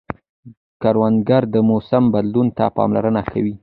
کروندګر د موسم بدلون ته پاملرنه کوي